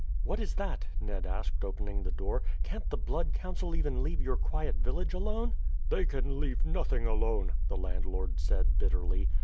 "What is that?" Ned asked, opening the door. "Can't the Blood Council even leave your quiet village alone?" "They can leave nothing alone," the landlord said bitterly.